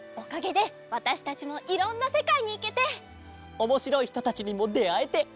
おもしろいひとたちにもであえて。